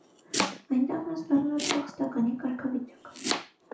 Այնտեղ նա ստանում է փախստականի կարգավիճակ։